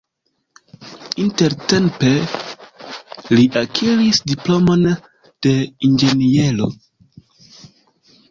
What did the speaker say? Intertempe li akiris diplomon de inĝeniero.